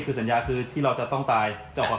คือสัญญาคือที่เราจะต้องตาย